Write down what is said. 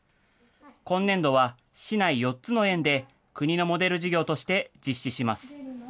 今年度は市内４つの園で、国のモデル事業として実施します。